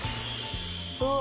うわ！